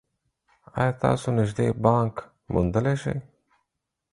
ایا تاسو نږدې بانک موندلی شئ؟